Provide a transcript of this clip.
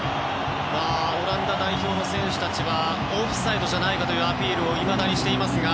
オランダ代表の選手たちはオフサイドじゃないかというアピールをしていますが。